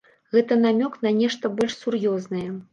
Гэта намёк на нешта больш сур'ёзнае.